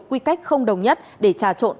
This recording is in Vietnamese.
quy cách không đồng nhất để trà trộn